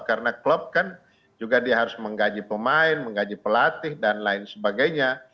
karena klub kan juga dia harus menggaji pemain menggaji pelatih dan lain sebagainya